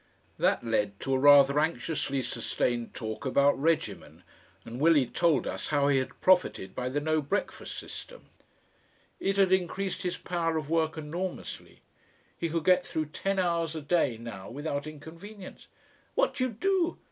That led to a rather anxiously sustained talk about regimen, and Willie told us how he had profited by the no breakfast system. It had increased his power of work enormously. He could get through ten hours a day now without inconvenience. "What do you do?"